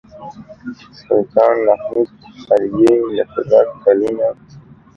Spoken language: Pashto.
سلطان محمود خلجي د قدرت کلونه.